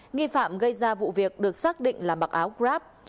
nghi phạm gây ra vụ việc được xác định là mặc áo grab